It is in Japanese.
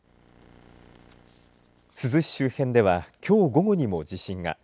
珠洲市周辺ではきょう午後にも地震が。